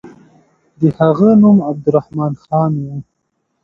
د هغه نوم عبدالرحمن خان وو.